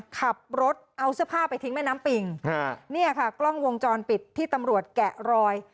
ขับรถเอาเสื้อผ้าไปทิ้งแม่น้ำปิงฮะเนี่ยค่ะกล้องวงจรปิดที่ตำรวจแกะรอย